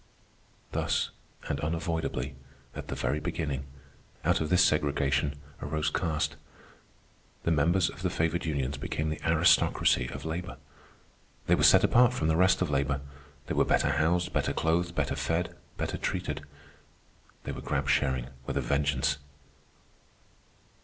Thus, and unavoidably, at the very beginning, out of this segregation arose caste. The members of the favored unions became the aristocracy of labor. They were set apart from the rest of labor. They were better housed, better clothed, better fed, better treated. They were grab sharing with a vengeance.